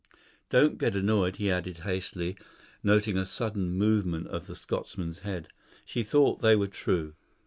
Don't get annoyed," he added hastily, noting a sudden movement of the Scotchman's head; "she thought they were true.